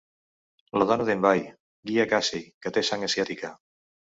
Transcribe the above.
La dona d'Envy, Gia Casey, que té sang asiàtica.